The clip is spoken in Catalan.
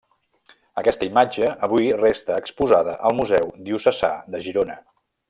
Aquesta imatge avui resta exposada al Museu Diocesà de Girona.